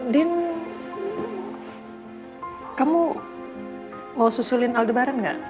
din kamu mau susulin aldebaran nggak